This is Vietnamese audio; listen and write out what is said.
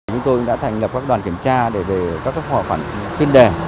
chúng tôi đã thành lập các đoàn kiểm tra để về các khó khăn trên đề